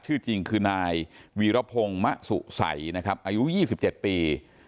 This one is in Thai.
ชื่อจริงคือนายวีรพงศ์มะสุสัยนะครับอายุยี่สิบเจ็ดปี